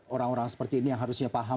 orang orang seperti ini yang harusnya paham